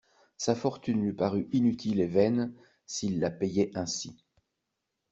Sa fortune lui parut inutile et vaine, s'il la payait ainsi.